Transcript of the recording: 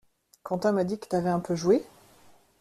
Quentin m'a dit que t'avais un peu joué?